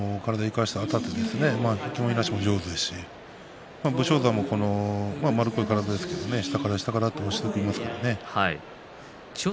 千代栄、体を生かして引きもいなしも上手ですし武将山は丸っこい体ですけども下から下から押していきます。